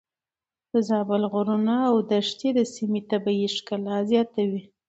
د زابل غرونه او دښتې د سيمې طبيعي ښکلا زياتوي.